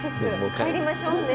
帰りましょうね。